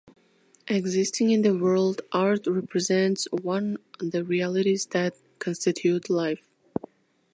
Existing in the world, art represents one the realities that constitute life.